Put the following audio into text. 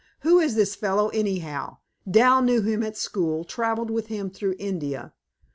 Who is this fellow, anyhow? Dal knew him at school, traveled with him through India.